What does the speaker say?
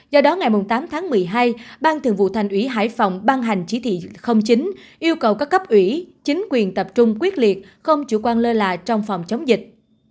do đó ngày tám tháng một mươi hai ban thường vụ thành ủy hải phòng ban hành chỉ thị chín yêu cầu các cấp ủy chính quyền tập trung quyết liệt không chủ quan lơ là trong phòng chống dịch